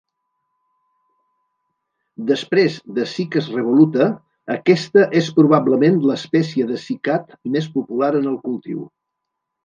Després de "Cycas revoluta", aquesta és probablement l'espècie de cycad més popular en el cultiu.